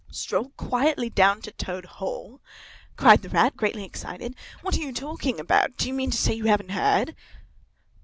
"Stroll quietly down to Toad Hall?" cried the Rat, greatly excited. "What are you talking about? Do you mean to say you haven't _heard?